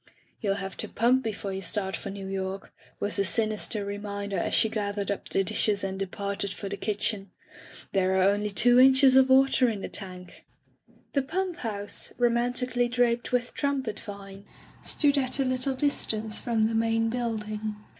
"You'll have to pump before you start for New York," was her sinister reminder as she gathered up the dishes and departed for the [343 ] Digitized by LjOOQ IC Interventions kitchen. "There are only two inches of water in the tank/' The pump house, romantically draped with trumpet vine, stood at a little distance from the main building.